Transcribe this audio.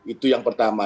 itu yang pertama